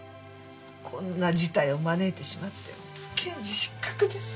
こんな事態を招いてしまって検事失格です。